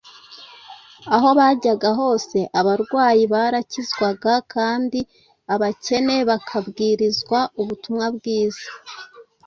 Aho bajyaga hose abarwayi barakizwaga kandi abakene bakabwirizwa ubutumwa bwiza.